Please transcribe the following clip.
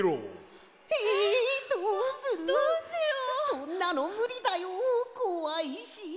そんなのむりだよこわいし。